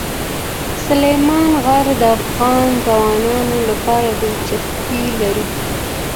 سلیمان غر د افغان ځوانانو لپاره دلچسپي لري.